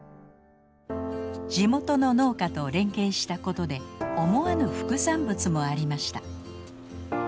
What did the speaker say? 地元の農家と連携したことで思わぬ副産物もありました。